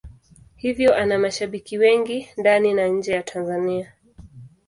Hivyo ana mashabiki wengi ndani na nje ya Tanzania.